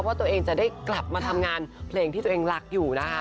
ว่าตัวเองจะได้กลับมาทำงานเพลงที่ตัวเองรักอยู่นะคะ